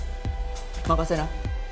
任せな。